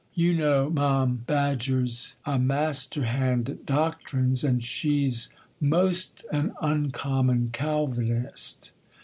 You know Ma'am Badger's a master hand at doctrines, and she's 'most an uncommon Calvinist.